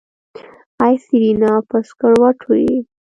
ای سېرېنا په سکروټو يې.